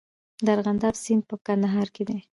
د ارغنداب سیند په کندهار کې دی